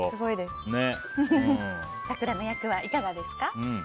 さくらの役はいかがですか？